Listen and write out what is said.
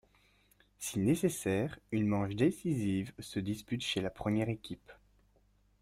Si nécessaire, une manche décisive se dispute chez la première équipe.